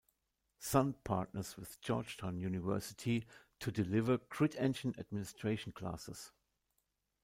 Sun partners with Georgetown University to deliver Grid Engine administration classes.